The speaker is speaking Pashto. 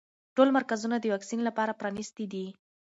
ټول مرکزونه د واکسین لپاره پرانیستي دي.